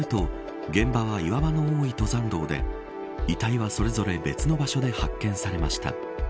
警察によると現場は岩場の多い登山道で遺体はそれぞれ別の場所で発見されました。